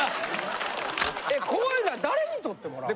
こういうのは誰に撮ってもらうん。